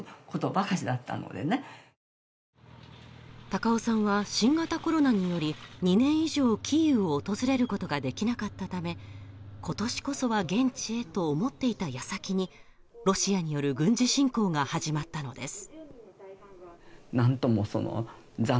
高尾さんは新型コロナにより２年以上キーウを訪れることができなかったため、今年こそは現地へと思っていた矢先にロシアによる軍事侵攻が始まったのです。